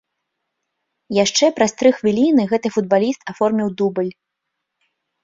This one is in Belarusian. Яшчэ праз тры хвіліны гэты футбаліст аформіў дубль.